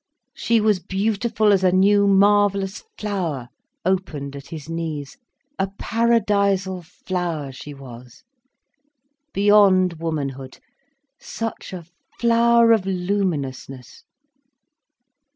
She was beautiful as a new marvellous flower opened at his knees, a paradisal flower she was, beyond womanhood, such a flower of luminousness.